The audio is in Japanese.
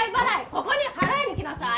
ここに払いに来なさい！